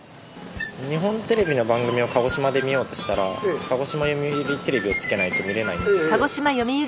日本テレビの番組を鹿児島で見ようとしたら鹿児島読売テレビをつけないと見れないんですよ。